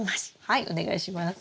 はいお願いします。